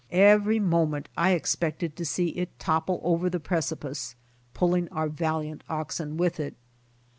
Every moment I expected to see it topple over the precipice, pulling our valiant oxen with it.